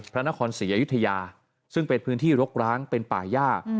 พระนครศรีอยุธยาซึ่งเป็นพื้นที่รกร้างเป็นป่าย่า